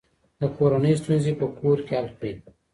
د کورنۍ ستونزې په کور کې حل کړئ.